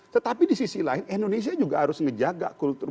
tetapi di sisi lain indonesia juga harus menjaga kultur